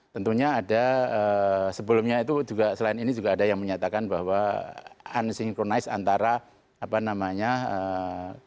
tentunya ada sebelumnya itu juga selain ini juga ada yang menyatakan bahwa unsynchronize antara apa namanya